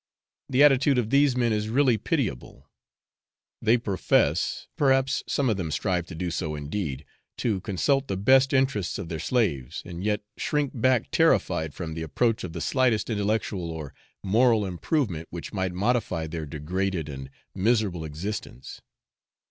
The attitude of these men is really pitiable; they profess (perhaps some of them strive to do so indeed) to consult the best interests of their slaves, and yet shrink back terrified from the approach of the slightest intellectual or moral improvement which might modify their degraded and miserable existence.